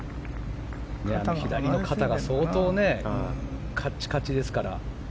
左の肩が相当カッチカチですから。